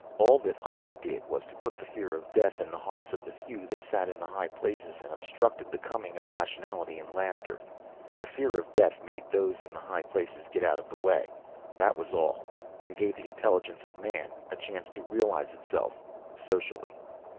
All that I did was to put the fear of death in the hearts of the few that sat in the high places and obstructed the coming of rationality and laughter. The fear of death made those in the high places get out of the way, that was all, and gave the intelligence of man a chance to realize itself socially.